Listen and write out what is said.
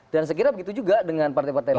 dan sekiranya begitu juga dengan partai partai lain